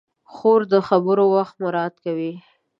خور د خبرو وخت مراعت کوي.